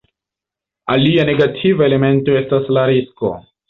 Alia negativa elemento estas la risko.